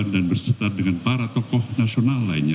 dan bersetar dengan para tokoh nasional lainnya